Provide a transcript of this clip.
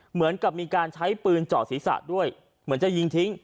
เหมือนกับมีการใช้ปืนเจาะศีรษะด้วยเหมือนจะยิงทิ้ง